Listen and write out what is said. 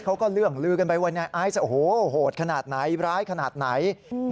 เขาก็เลื่องลือกันไปว่านายไอซ์โหดขนาดไหนร้ายขนาดไหน